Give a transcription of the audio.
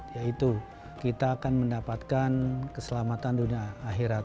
yaitu kita akan mendapatkan keselamatan dunia akhirat